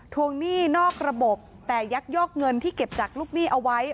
วงหนี้นอกระบบแต่ยักยอกเงินที่เก็บจากลูกหนี้เอาไว้